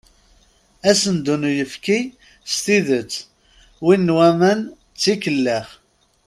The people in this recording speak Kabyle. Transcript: Asendu n uyefki s tidet, win n waman d tikellax.